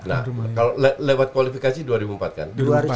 nah kalau lewat kualifikasi dua ribu empat kan